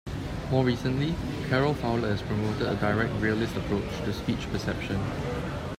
More recently, Carol Fowler has promoted a direct realist approach to speech perception.